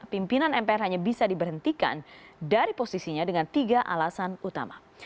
pimpinan mpr hanya bisa diberhentikan dari posisinya dengan tiga alasan utama